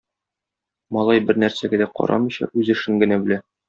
Малай бернәрсәгә дә карамыйча үз эшен генә белә.